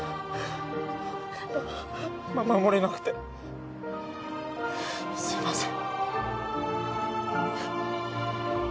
守れなくてすみません。